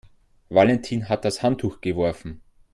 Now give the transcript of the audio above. Valentin hat das Handtuch geworfen.